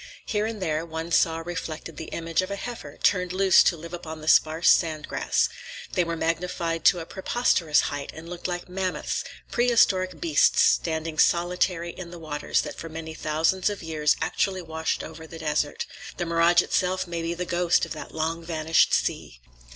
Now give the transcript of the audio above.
Here and there one saw reflected the image of a heifer, turned loose to live upon the sparse sand grass. They were magnified to a preposterous height and looked like mammoths, prehistoric beasts standing solitary in the waters that for many thousands of years actually washed over that desert;—the mirage itself may be the ghost of that long vanished sea.